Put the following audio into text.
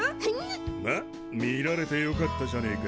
まっ見られてよかったじゃねえか。